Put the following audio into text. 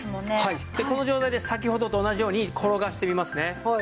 この状態で先ほどと同じように転がしてみますね。